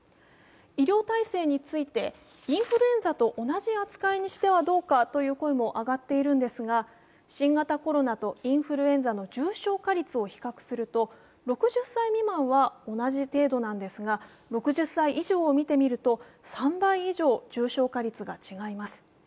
医療体制について、インフルエンザと同じ扱いにしてはどうかという声も上がっているんですが新型コロナとインフルエンザの重症化率を比較すると、６０歳未満は同じ程度なんですが、６０歳以上を見てみると３倍以上、重症化率が違います。